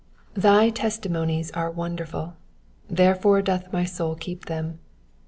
THY testimonies are wonderful : therefore doth my soul keep them.